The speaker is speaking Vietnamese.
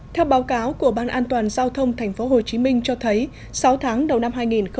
theo báo cáo của ban an toàn giao thông tp hcm cho thấy sáu tháng đầu năm hai nghìn hai mươi